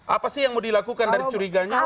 apa sih yang mau dilakukan dari curiganya